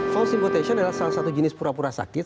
false impotensia adalah salah satu jenis pura pura sakit